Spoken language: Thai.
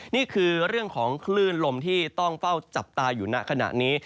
นี่คือเรื่องของคลื่นลมที่ต้องเฝ้าจับตาอยู่ณขณะนี้